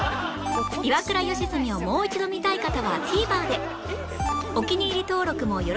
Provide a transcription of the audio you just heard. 『イワクラ吉住』をもう一度見たい方は ＴＶｅｒ で